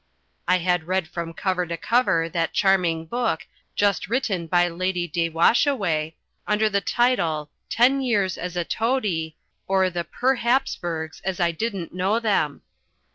I had read from cover to cover that charming book, just written by Lady de Washaway, under the title Ten Years as a Toady, or The Per Hapsburgs as I Didn't Know Them.